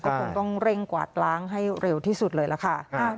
ก็คงต้องเร่งกวาดล้างให้เร็วที่สุดเลยล่ะค่ะ